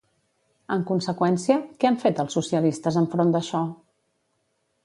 En conseqüència, què han fet els socialistes enfront d'això?